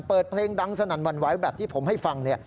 เปิดเพลงดังสนั่นหวั่นไหวแบบที่ผมให้ฟัง